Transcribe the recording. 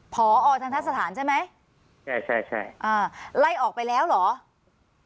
พอทันทะสถานใช่ไหมใช่ใช่อ่าไล่ออกไปแล้วเหรอ